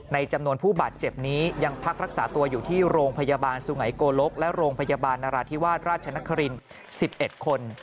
จำนวนผู้บาดเจ็บนี้ยังพักรักษาตัวอยู่ที่โรงพยาบาลสุไงโกลกและโรงพยาบาลนราธิวาสราชนคริน๑๑คน